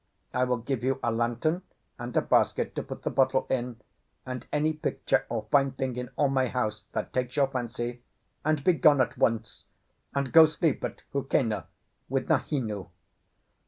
I will give you a lantern and a basket to put the bottle in, and any picture or fine thing in all my house that takes your fancy;—and be gone at once, and go sleep at Hookena with Nahinu."